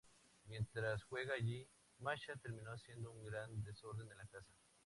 Mientras juega allí, Masha termina haciendo un gran desorden en la casa.